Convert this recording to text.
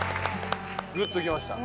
グッときました。